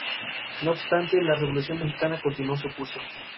No obstante, la Revolución mexicana continuó su curso.